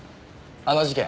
あの事件